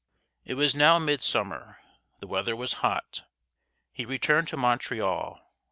It was now midsummer. The weather was hot. He returned to Montreal.